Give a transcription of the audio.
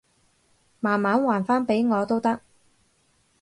慢慢還返畀我都得